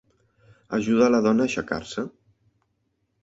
Ajuda la dona a aixecar-se.